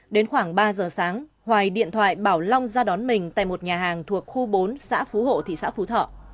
đến khoảng ba giờ sáng hoài điện thoại bảo long ra đón mình tại một nhà hàng thuộc khu bốn xã phú hộ thị xã phú thọ